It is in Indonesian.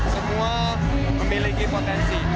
semua memiliki potensi